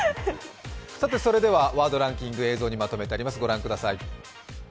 それでは「ワードランキング」映像にまとめてあります。